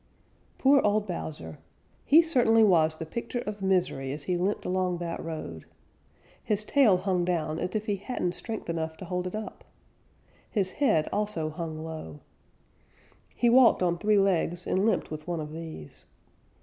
Poor old Bowser! He certainly was the picture of misery as he limped along that road. His tail hung down as if he hadn't strength enough to hold it up. His head also hung low. He walked on three legs and limped with one of these.